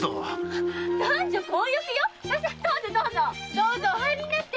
どうぞお入りになって！